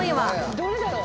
どれだろう？